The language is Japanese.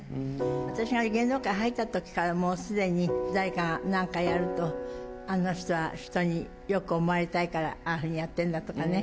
私が芸能界入ったときからもうすでに、誰かがなんかやると、あの人は人によく思われたいから、ああいうふうにやってるんだとかね。